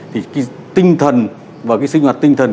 thì cái tinh thần và cái sinh hoạt tinh thần